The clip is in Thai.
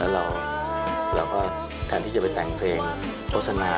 แล้วเราก็แทนที่จะไปแต่งเพลงโฆษณา